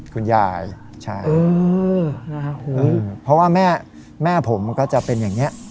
คุณยายใช่เออนะฮะโหอืมเพราะว่าแม่แม่ผมก็จะเป็นอย่างเงี้ย